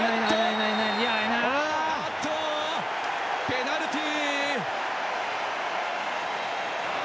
ペナルティー。